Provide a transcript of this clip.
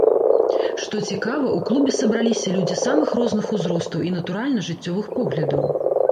Што цікава, у клубе сабраліся людзі самых розных узростаў і, натуральна, жыццёвых поглядаў.